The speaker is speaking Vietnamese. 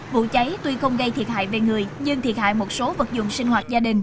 vụ cháy tuy không gây thiệt hại về người nhưng thiệt hại một số vật dụng sinh hoạt gia đình